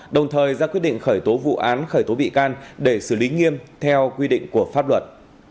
đồng thời ra quyết định khởi tố vụ án khởi tố bị can để xử lý nghiêm theo quy định của pháp luật